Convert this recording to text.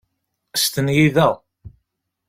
Stenyi da.